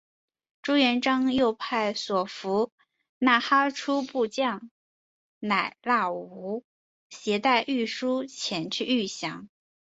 朱元璋又派所俘纳哈出部将乃剌吾携带玺书前去谕降。